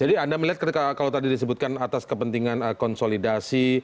jadi anda melihat ketika kalau tadi disebutkan atas kepentingan konsolidasi